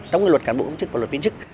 trong luật cán bộ công chức và luật viên chức